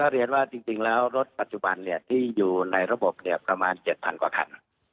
เรียนว่าจริงแล้วรถปัจจุบันที่อยู่ในระบบประมาณ๗๐๐กว่าคัน